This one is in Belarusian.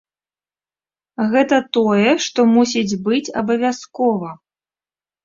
Гэта тое, што мусіць быць абавязкова.